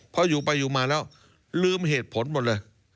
พออยู่ไปอยู่มาแล้วลืมเหตุผลหมดเลย